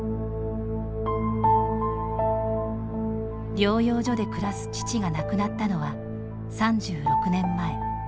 療養所で暮らす父が亡くなったのは３６年前。